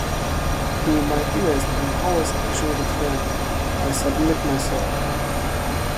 To my dearest and always appreciated friend, I submit myself.